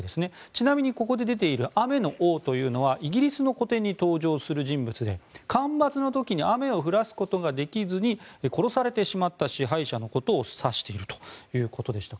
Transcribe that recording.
ちなみに、ここで出ている雨の王というのはイギリスの古典に登場する人物で干ばつの時に雨を降らすことができずに殺されてしまった支配者のことを指しているということでした。